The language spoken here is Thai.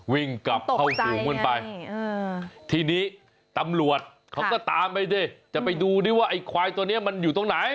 วิ่งกลับเข้าฝูงกันไปทีนี้ตำรวจเขาก็ตามไปดิจะไปดูดิว่าไอ้ควายตัวนี้มันอยู่ตรงไหน